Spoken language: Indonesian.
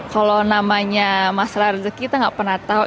kalau namanya mas rezeki kita nggak pernah tahu